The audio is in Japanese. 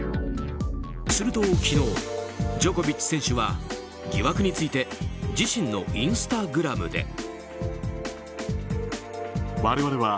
すると昨日、ジョコビッチ選手は疑惑について自身のインスタグラムで。